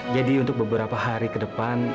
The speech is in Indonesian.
jadi untuk beberapa hari ke depan